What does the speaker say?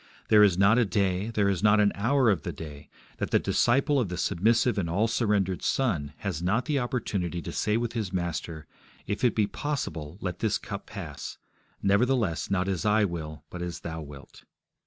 There is not a day, there is not an hour of the day, that the disciple of the submissive and all surrendered Son has not the opportunity to say with his Master, If it be possible, let this cup pass: nevertheless, not as I will, but as Thou wilt.